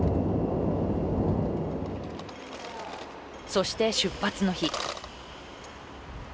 そして出発の日。